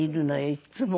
いっつも。